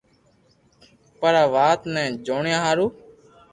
پر آ وات ني جوڻيا ھارون